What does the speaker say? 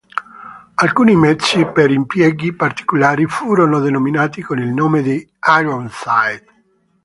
Alcuni mezzi per impieghi particolari furono denominati con il nome di Ironside.